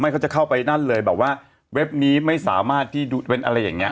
เขาจะเข้าไปนั่นเลยแบบว่าเว็บนี้ไม่สามารถที่ดูเว้นอะไรอย่างเงี้